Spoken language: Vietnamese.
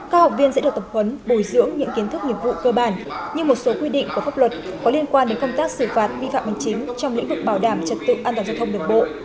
các học viên sẽ được tập huấn bồi dưỡng những kiến thức nghiệp vụ cơ bản như một số quy định của pháp luật có liên quan đến công tác xử phạt vi phạm hành chính trong lĩnh vực bảo đảm trật tự an toàn giao thông đường bộ